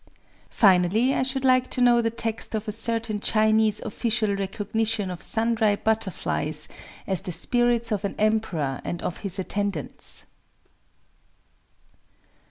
Finally I should like to know the text of a certain Chinese official recognition of sundry butterflies as the spirits of an Emperor and of his attendants...